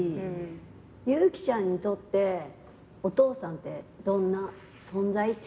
ゆう姫ちゃんにとってお父さんってどんな存在？